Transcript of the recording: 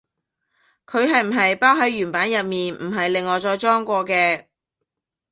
佢係唔係包喺原版入面，唔係另外再裝過嘅？